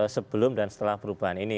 sebelum dan setelah perubahan ini